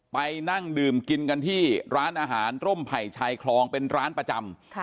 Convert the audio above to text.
ไปนั่งดื่มกินกันที่ร้านอาหารร่มไผ่ชายคลองเป็นร้านประจำ